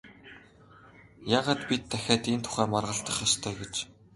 Яагаад бид дахиад энэ тухай маргалдах ёстой гэж?